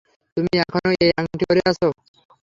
তুমি এখনো এই আংটি পরে আছো।